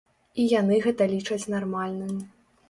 І яны гэта лічаць нармальным.